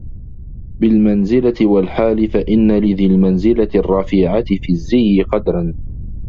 بِالْمَنْزِلَةِ وَالْحَالِ فَإِنَّ لِذِي الْمَنْزِلَةِ الرَّفِيعَةِ فِي الزِّيِّ قَدْرًا